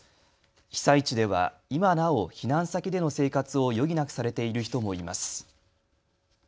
被災地では今なお避難先での生活を余儀なくされている人もいます。